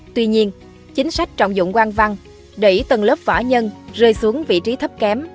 tuy nhiên chính sách trọng dụng quang văn đẩy tầng lớp võ nhân rơi xuống vị trí thấp kém